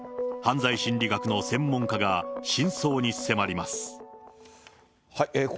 犯罪心理学の専門家が深層に迫ります。